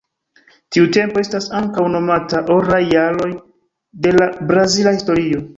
Tiu tempo estas ankaŭ nomata "oraj jaroj" de la brazila historio.